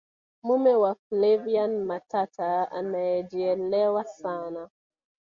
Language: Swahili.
mume wa flaviana matata anaejielewa sana